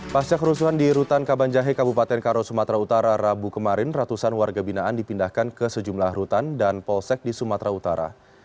pasca kerusuhan di rutan kabanjahe kabupaten karo sumatera utara rabu kemarin ratusan warga binaan dipindahkan ke sejumlah rutan dan polsek di sumatera utara